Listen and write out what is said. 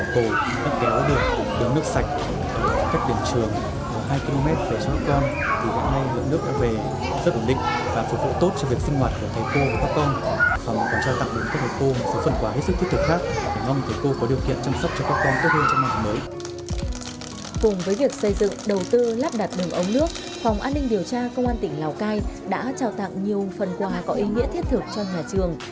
phòng an ninh điều tra công an tỉnh lào cai đã cho tặng nhiều phần quà có ý nghĩa thiết thực cho nhà trường